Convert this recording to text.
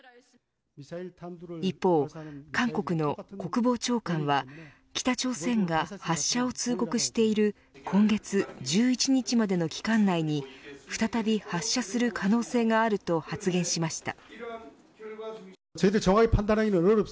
一方、韓国の国防長官は北朝鮮が発射を通告している今月１１日までの期間内に再び発射する可能性があると発言しました。